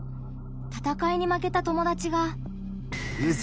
たたかいに負けた友達が。